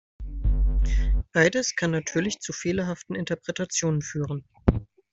Beides kann natürlich zu fehlerhaften Interpretationen führen.